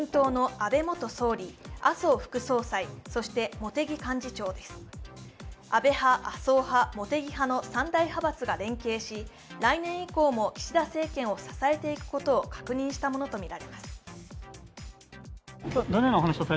安倍派、麻生派、茂木派の３大派閥が連携し、来年以降も岸田政権を支えていくことを確認したものとみられます。